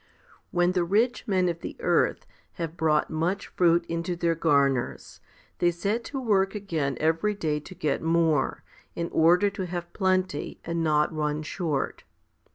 20. When the rich men of the earth have brought much fruit into their garners, they set to work again every day to get more, in order to have plenty, and not run short.